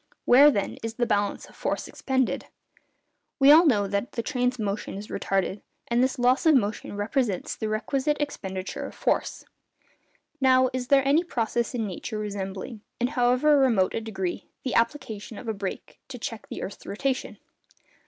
Where, then, is the balance of force expended? We all know that the train's motion is retarded, and this loss of motion represents the requisite expenditure of force. Now, is there any process in nature resembling, in however remote a degree, the application of a brake to check the earth's rotation?